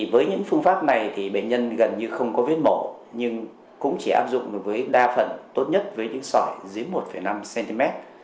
với những phương pháp này thì bệnh nhân gần như không có vết mổ nhưng cũng chỉ áp dụng với đa phần tốt nhất với những sỏi dưới một năm cm